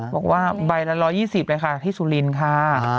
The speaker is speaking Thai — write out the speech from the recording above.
บอกว่าใบละ๑๒๐เลยค่ะที่สุรินทร์ค่ะ